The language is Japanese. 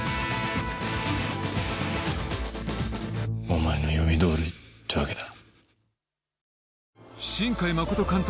お前の読みどおりってわけだ。